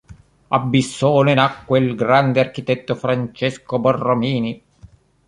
A Bissone nacque il grande architetto Francesco Borromini.